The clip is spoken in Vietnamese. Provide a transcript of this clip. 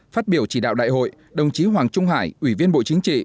phát biểu chỉ đạo đại hội đồng chí hoàng trung hải ủy viên bộ chính trị